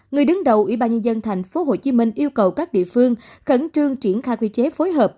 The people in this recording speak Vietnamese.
người đứng đầu ubnd tp hcm yêu cầu các địa phương khẩn trương triển khai quy chế phối hợp